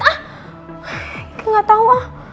kiki nggak tahu